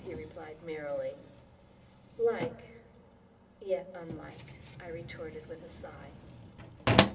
he replied merrily. "Like, yet unlike," I retorted with a sigh.